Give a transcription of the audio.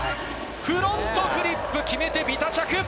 フロントフリップ決めてビタ着。